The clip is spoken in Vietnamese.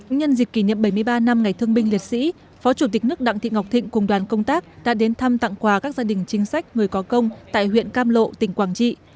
nhân dịp kỷ niệm bảy mươi ba năm ngày thương binh liệt sĩ phó chủ tịch nước đặng thị ngọc thịnh cùng đoàn công tác đã đến thăm tặng quà các gia đình chính sách người có công tại huyện cam lộ tỉnh quảng trị